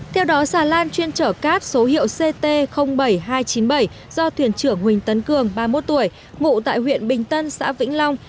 theo đó xà lan chuyên chở cát số hiệu ct bảy nghìn hai trăm chín mươi bảy do thuyền trưởng huỳnh tấn cường ba mươi một tuổi ngụ tại huyện bình tân xã vĩnh long